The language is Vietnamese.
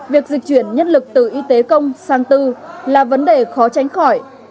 việc dịch chuyển nhân lực từ y tế công sang tư là vấn đề khó tránh khỏi